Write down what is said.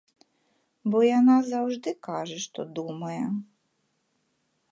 Бо яна заўжды кажа, што думае.